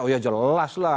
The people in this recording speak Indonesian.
oh ya jelas lah